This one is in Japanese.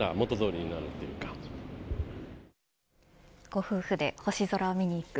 ご夫婦で星空を見に行く。